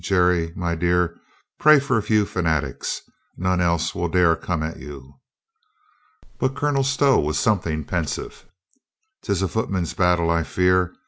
"Jerry, my dear, pray for a few fanatics. None else will dare come at you." But Colonel Stow was something pensive. " 'Tis a footman's battle, I fear.